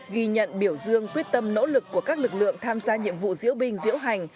ghi nhận biểu dương quyết tâm nỗ lực của các lực lượng tham gia nhiệm vụ diễu binh diễu hành